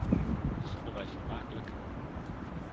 Dat vonden wij vermakelijk.